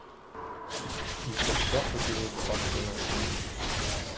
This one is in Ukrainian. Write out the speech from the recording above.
І серця хотіли впасти на сніг.